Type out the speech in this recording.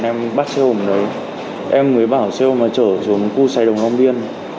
em bắt xe hồn ở đấy em mới bảo xe hồn trở xuống khu xe đồng long biên